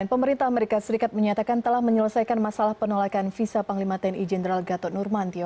pemerintah amerika serikat menyatakan telah menyelesaikan masalah penolakan visa panglima tni jenderal gatot nurmantio